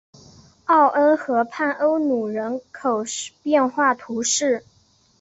奥恩河畔欧努人口变化图示